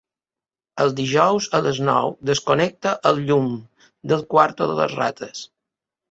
Els dijous a les nou desconnecta el llum del quarto de les rates.